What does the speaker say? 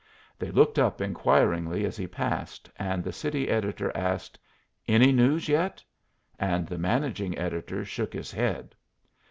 They looked up inquiringly as he passed, and the city editor asked, "Any news yet?" and the managing editor shook his head.